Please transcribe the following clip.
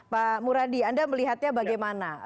pak muradi anda melihatnya bagaimana